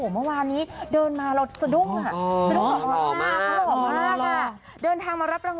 เมื่อวานนี้เดินมาเราสะดุ้ง